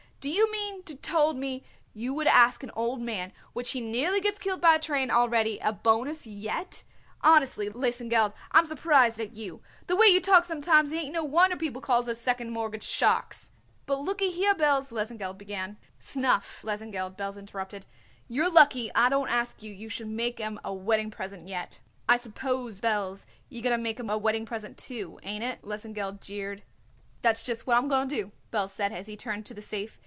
Do you mean to told me you would ask an old man which he nearly gets killed by a train already a bonus yet? Honestly, Lesengeld, I'm surprised at you. The way you talk sometimes it ain't no wonder people calls us second mortgage sharks." "But, lookyhere, Belz " Lesengeld began. "'S enough, Lesengeld," Belz interrupted. "You're lucky I don't ask you you should make 'em a wedding present yet." "I suppose, Belz, you're going to make 'em a wedding present, too, ain't it?" Lesengeld jeered. "That's just what I'm going to do," Belz said as he turned to the safe.